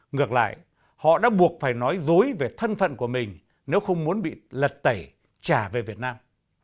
ngược lại họ đã buộc phải nói dối về thân phận của mình nếu không muốn bị lật tẩy trả về việt nam